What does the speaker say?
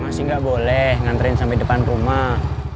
masih gak boleh nganterin sampe depan rumah